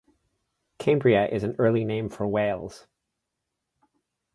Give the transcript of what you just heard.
Cambria is an early name for Wales.